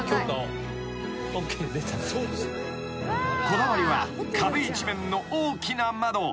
［こだわりは壁一面の大きな窓］